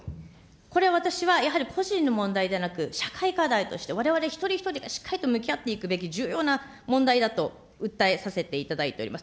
これは私は、やはり個人の問題ではなく、社会課題として、われわれ一人一人がしっかりと向き合っていくべき重要な問題だと訴えさせていただいております。